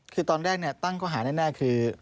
คือตอนแรกเนี่ยตั้งเขาหาแน่คือ